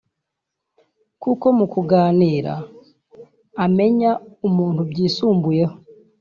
kuko mu kuganira umenya umuntu byisumbuyeho